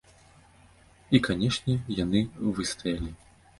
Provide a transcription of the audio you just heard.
І, канешне, яны выстаялі.